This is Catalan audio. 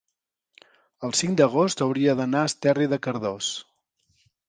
el cinc d'agost hauria d'anar a Esterri de Cardós.